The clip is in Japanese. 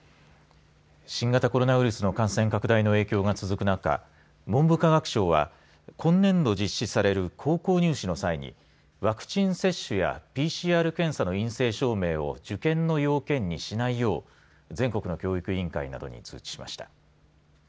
新型コロナウイルスの感染拡大の影響が続く中文部科学省は今年度実施される高校入試の際にワクチン接種やＰＣＲ検査の陰性証明を受験の要件にしないよう全国の教育委員会などに通知しました。